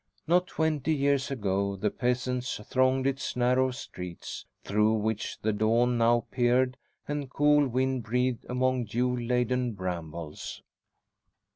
Not twenty years ago the peasants thronged its narrow streets, through which the dawn now peered and cool wind breathed among dew laden brambles.